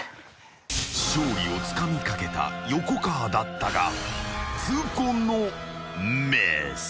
［勝利をつかみかけた横川だったが痛恨のミス］